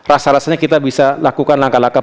rasalahnya kita bisa lakukan langkah langkah